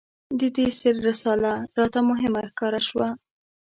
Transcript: د دې سیر رساله راته مهمه ښکاره شوه.